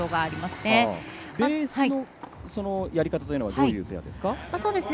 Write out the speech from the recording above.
ベースのやり方というのはどういうペアですか？